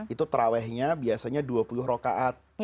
itu terawihnya biasanya dua puluh rokaat